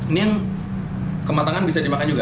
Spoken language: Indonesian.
ini yang kematangan bisa dimakan juga